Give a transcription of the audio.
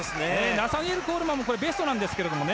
ナサニエル・コールマンもベストなんですけどね。